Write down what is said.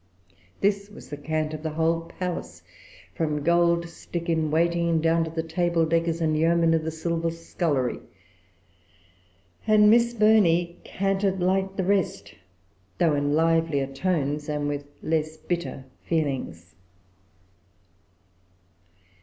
This was the cant of the whole palace, from Gold Stick in Waiting, down to the Table Deckers and Yeomen of the Silver Scullery; and Miss Burney canted like the rest, though in livelier tones, and with less bitter feelings.